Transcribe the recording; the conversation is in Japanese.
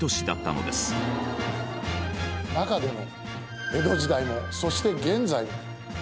中でも。